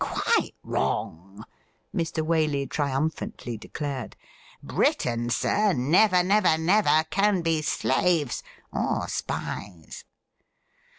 ' Quite wrong,' Mr. Waley triumphantly declared. ' Britons, sir, never, never, never can be slaves — or spies.'